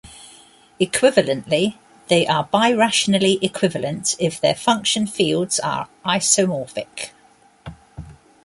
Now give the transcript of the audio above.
Equivalently, they are birationally equivalent if their function fields are isomorphic.